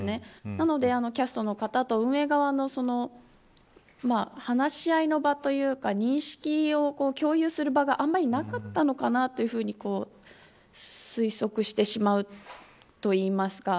なので、キャストの方と運営側の話し合いの場というか認識を共有する場があんまりなかったのかなというふうに推測してしまうといいますか。